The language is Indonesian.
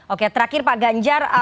oke terakhir pak ganya